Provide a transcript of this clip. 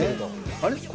あれ？